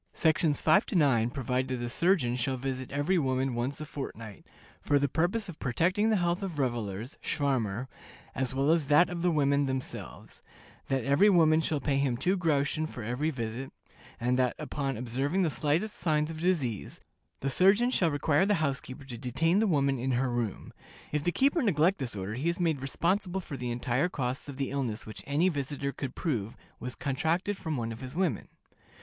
Sections 5 to 9 provide that a surgeon shall visit every woman once a fortnight, "for the purpose of protecting the health of revelers (schwarmer), as well as that of the women themselves;" that every woman shall pay him two groschen for each visit; and that, upon observing the slightest signs of disease, the surgeon shall require the housekeeper to detain the woman in her room. If the keeper neglect this order, he is made responsible for the entire costs of the illness which any visitor could prove was contracted from one of his women.